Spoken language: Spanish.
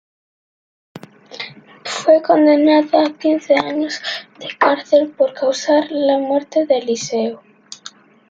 Fue condenada a quince años de cárcel por causar la muerte de Eliseo.